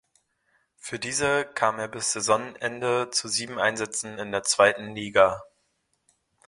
Für diese kam er bis Saisonende zu sieben Einsätzen in der zweiten Liga.